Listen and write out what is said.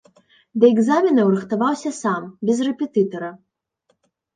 Да экзаменаў рыхтаваўся сам, без рэпетытара.